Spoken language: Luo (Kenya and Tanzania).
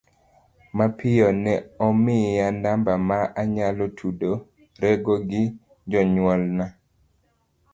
Mapiyo, ne omiya namba ma anyalo tudorego gi jonyuolna.